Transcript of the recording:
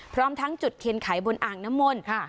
พร้อมทั้งจุดเทียนไขบนอ่างน้ำมนต์